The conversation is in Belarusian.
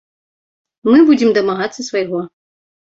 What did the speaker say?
Мы будзем дамагацца свайго.